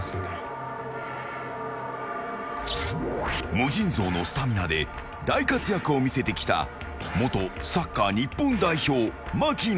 無尽蔵のスタミナで大活躍を見せてきた元サッカー日本代表、槙野。